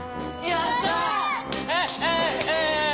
やった！